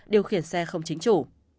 điều khiển xe không chính chủ